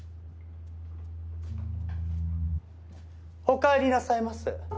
おかえりなさいませ。